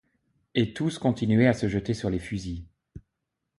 Et tous continuaient à se jeter sur les fusils.